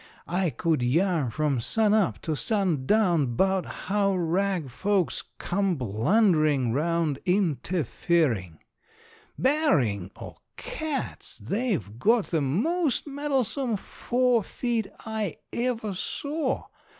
I could yarn from sun up to sundown 'bout how rag folks come blunderin' round interferin'. Barrin' o cat's, they've got the most meddlesome forefeet I ever saw.